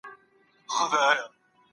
هغه خبره چي له خلګو دي اورېدلې وه وڅېړه.